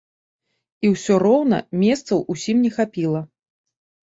І ўсё роўна, месцаў усім не хапіла.